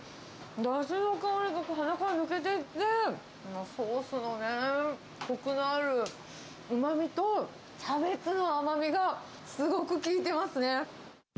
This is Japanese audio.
だしの香りが鼻から抜けてって、ソースのね、こくのあるうまみと、キャベツの甘みがすごく効いてますね。